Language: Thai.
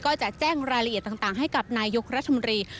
ก็จะแจ้งรายละเอียดต่างให้กับนายกรัฐมนตรี